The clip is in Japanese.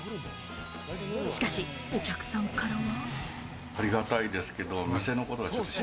しかし、お客さんからは。